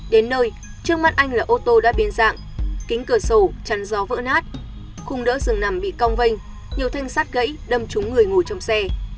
đến nơi trước mắt anh là ô tô đã biến dạng kính cửa sổ chắn gió vỡ nát khung đỡ rừng nằm bị cong vênh nhiều thanh sát gãy đâm trúng người ngồi trong xe